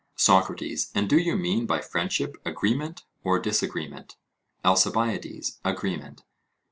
SOCRATES: And do you mean by friendship agreement or disagreement? ALCIBIADES: Agreement.